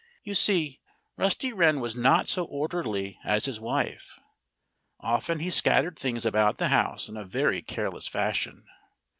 You see, Rusty Wren was not so orderly as his wife. Often he scattered things about the house in a very careless fashion.